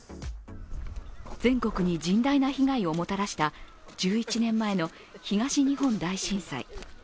全国に甚大な被害をもたらした１１年前の東日本大震災。